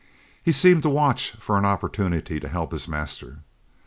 He seemed to watch for an opportunity to help his master.